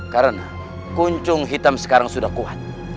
karena kuncung hitam sekarang sudah kuat